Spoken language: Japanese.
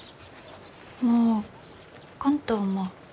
もう来んと思う。